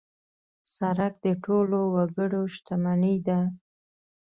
سړک د ټولو وګړو شتمني ده.